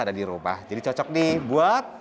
ada di rumah jadi cocok nih buat